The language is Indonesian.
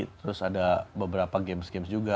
terus ada beberapa games games juga